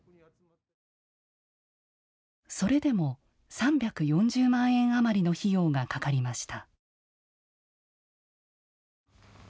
それでも３４０万円余りの費用がかかりました。